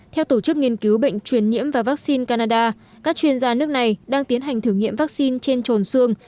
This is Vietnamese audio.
theo tổ chức nghiên cứu bệnh truyền nhiễm và vaccine canada các chuyên gia nước này đang tiến hành thử nghiệm vaccine trên trồn xương